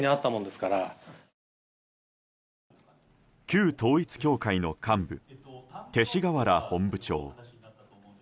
旧統一教会の幹部勅使河原本部長。